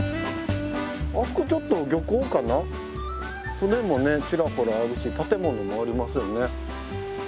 船もねちらほらあるし建物もありますよね。